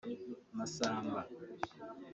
Massamba